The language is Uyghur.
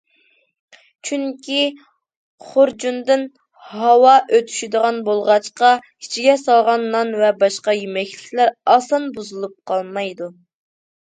چۈنكى خۇرجۇندىن ھاۋا ئۆتۈشىدىغان بولغاچقا، ئىچىگە سالغان نان ۋە باشقا يېمەكلىكلەر ئاسان بۇزۇلۇپ قالمايدۇ.